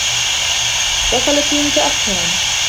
وصلتَ متأخّرا.